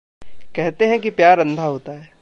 कहते हैं कि प्यार अंधा होता है।